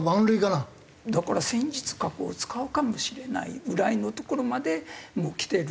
だから戦術核を使うかもしれないぐらいのところまでもうきてる。